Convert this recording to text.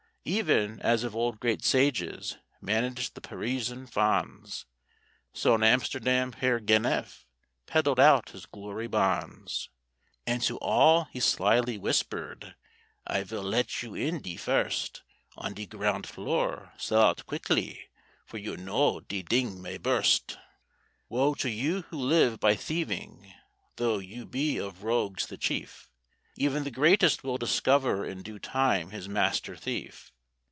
Even as of old great sages managed the Parisian fonds, So in Amsterdam Heer Ganef peddled out his Glory bonds; And to all he slyly whispered, "I will let you in de first On de ground floor—sell out quickly—for you know de ding may burst." Woe to you who live by thieving, though you be of rogues the chief, Even the greatest will discover in due time his master thief.